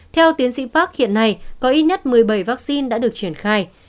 theo tiến sĩ park hiện nay có ít nhất một mươi bảy vaccine đã được triển khai